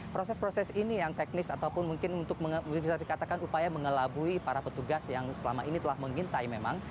proses proses ini yang teknis ataupun mungkin untuk bisa dikatakan upaya mengelabui para petugas yang selama ini telah mengintai memang